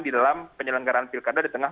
di dalam penyelenggaraan pilkada di tengah